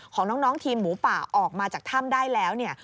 ของน้องทีมหมูป่าออกมาจากถ้ำได้แล้วเนี่ย